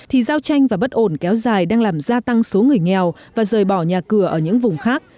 thì giao tranh và bất ổn kéo dài đang làm gia tăng số người nghèo và rời bỏ nhà cửa ở những vùng khác